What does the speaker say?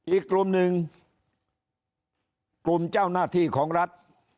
อีกกลุ่มหนึ่งกลุ่มเจ้าหน้าที่ของรัฐ